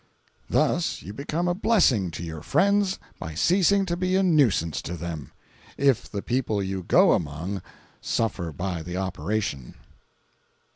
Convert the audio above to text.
Thus you become a blessing to your friends by ceasing to be a nuisance to them—if the people you go among suffer by the operation.